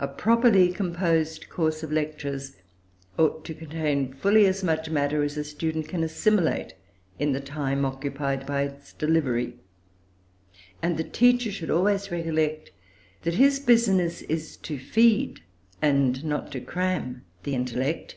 A properly composed course of lectures ought to contain fully as much matter as a student can assimilate in the time occupied by its delivery; and the teacher should always recollect that his business is to feed, and not to cram the intellect.